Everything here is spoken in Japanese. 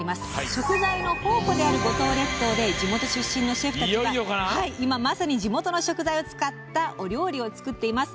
食材の宝庫である五島列島で地元出身のシェフたちが今まさに地元の食材を使ったお料理を作っています。